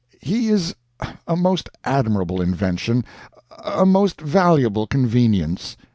He is a most admirable invention, a most valuable convenience.